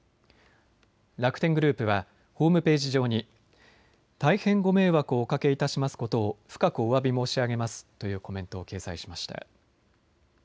楽天グループはホームページ上に大変ご迷惑をおかけいたしますことを深くおわび申し上げますというコメントを掲載しました。